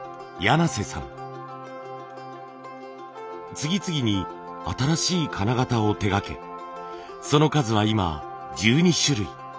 次々に新しい金型を手がけその数は今１２種類。